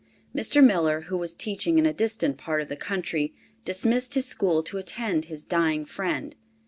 Mr. Miller, who was teaching in a distant part of the country, dismissed his school to attend his dying friend.